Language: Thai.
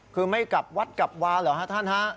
คือไม่กลับวัดกลับวาเหรอฮะท่านฮะ